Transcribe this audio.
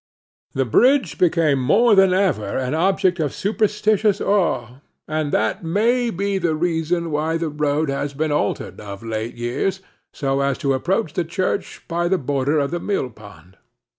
The bridge became more than ever an object of superstitious awe; and that may be the reason why the road has been altered of late years, so as to approach the church by the border of the millpond.